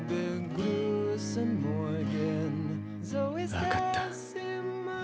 分かった。